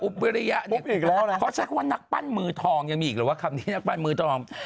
เพราะฉะนั้นว่านักปั้นมือทองยังมีอีกหรือว่าคำนี้นักปั้นมือทอง